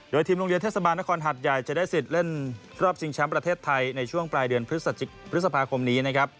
โดยทีมโรงเรียนเทศบาลนครหัดใหญ่จะได้สิทธิ์เล่นรอบชิงแชมป์ประเทศไทยในช่วงปลายเดือนพฤษภาคมนี้นะครับ